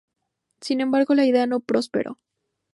Sin embargo, la idea no prosperó.